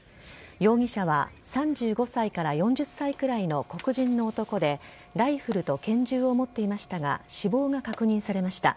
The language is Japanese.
容疑者は３５歳から４０歳くらいの黒人の男でライフルと拳銃を持っていましたが死亡が確認されました。